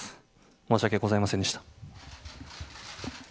申し訳ございませんでした。